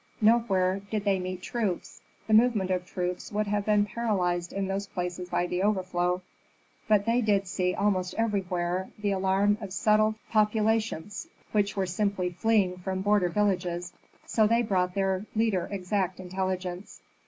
Nowhere did they meet troops; the movements of troops would have been paralyzed in those places by the overflow, but they did see almost everywhere the alarm of settled populations which were simply fleeing from border villages. So they brought their leader exact intelligence.